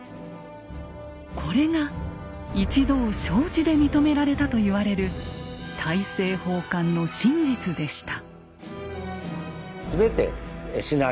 これが一同承知で認められたと言われる大政奉還の真実でした。